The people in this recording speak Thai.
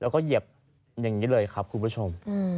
แล้วก็เหยียบอย่างนี้เลยครับคุณผู้ชม